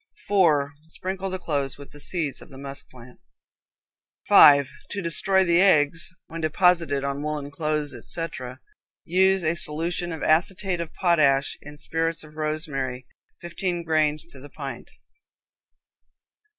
4. Sprinkle the clothes with the seeds of the musk plant. 5. To destroy the eggs, when deposited in woolen cloths, etc., use a solution of acetate of potash in spirits of rosemary, fifteen grains to the pint.